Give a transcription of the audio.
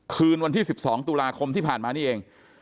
คืนวันที่๑๒ตุลาคมที่ผ่านมานี่เอง